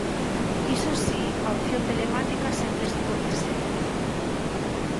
Iso si, a opción telemática sempre estivo presente.